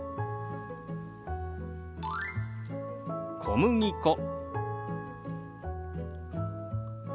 「小麦粉」。